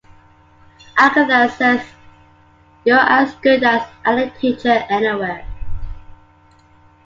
Agatha says you’re as good as any teacher anywhere.